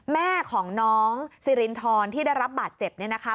แม่ของน้องสิรินทรที่ได้รับบาดเจ็บเนี่ยนะคะ